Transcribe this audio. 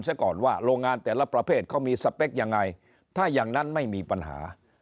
ซะก่อนว่าโรงงานแต่ละประเภทเขามีสเปคยังไงถ้าอย่างนั้นไม่มีปัญหา